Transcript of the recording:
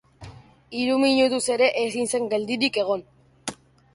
Hiru minutuz ere ezin zen geldirik egon.